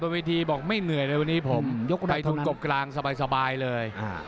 บนวีธีบอกไม่เหนื่อยเลยวันนี้ผมยกนับทุนกบกลางสบายสบายเลยอ่า